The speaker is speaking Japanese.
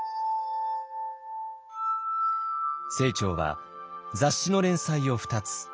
清張は雑誌の連載を２つ。